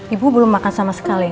ibu belum makan sama sekali